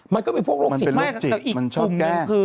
มันก็เป็นพวกโรคจิตมันชอบแก้